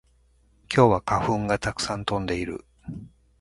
今日は花粉がたくさん飛んでいる